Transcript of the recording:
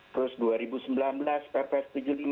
terus dua ribu sembilan belas perpres tujuh puluh lima